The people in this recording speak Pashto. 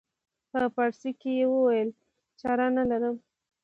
په پارسي یې وویل چاره نه لرم.